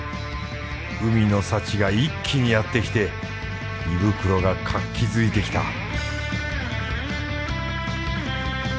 海の幸が一気にやって来て胃袋が活気づいてきた